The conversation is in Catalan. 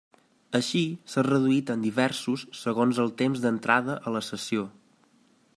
Així, s'ha reduït en diversos segons el temps d'entrada a la sessió.